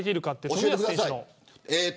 冨安選手。